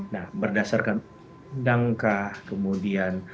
nah berdasarkan pendangkah kemudian